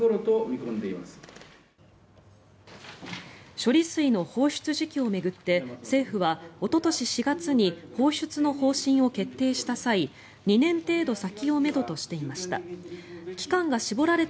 処理水の放出時期を巡って政府はおととし４月に放出の方針を決定した際２年程度先をめどとしていました。